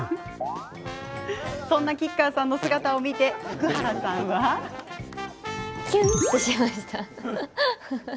そんな吉川さんの姿を見て福原さんは。キュンってしました。